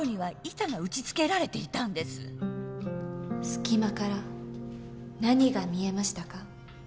隙間から何が見えましたか？